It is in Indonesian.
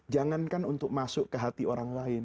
jangankan untuk masuk ke hati orang lain